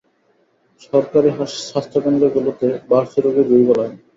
সরকারি স্বাস্থ্যকেন্দ্রগুলোতে বাড়ছে রোগীর দীর্ঘ লাইন।